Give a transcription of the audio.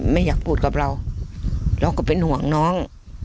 ไม่อยากพูดกับเราเราก็เป็นห่วงน้อง